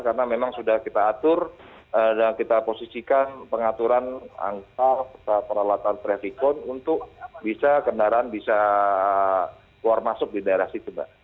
karena memang sudah kita atur dan kita posisikan pengaturan angka peralatan trafikon untuk bisa kendaraan bisa keluar masuk di daerah situ mbak